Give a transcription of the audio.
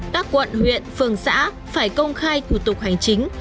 các quận huyện phường xã phải công khai thủ tục hành chính